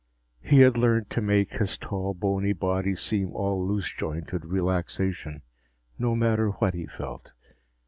He had learned to make his tall, bony body seem all loose jointed relaxation, no matter what he felt.